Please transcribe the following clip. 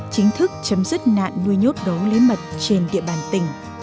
chính thức chấm dứt nạn nuôi nhốt đấu lấy mật trên địa bàn tỉnh